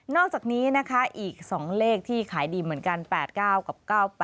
อกจากนี้นะคะอีก๒เลขที่ขายดีเหมือนกัน๘๙กับ๙๘